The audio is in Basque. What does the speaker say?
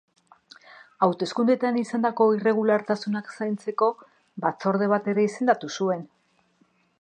Hauteskundeetan izandako irregulartasunak zaintzeko batzorde bat ere izendatu zuen.